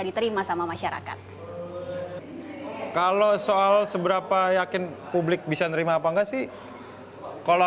diterima sama masyarakat kalau soal seberapa yakin publik bisa nerima apa enggak sih kalau